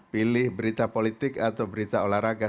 pilih berita politik atau berita olahraga